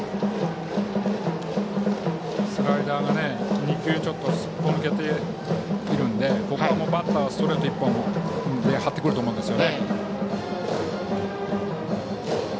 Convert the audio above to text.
スライダーが２球すっぽ抜けているのでここはバッターはストレート１本で張ってくると思います。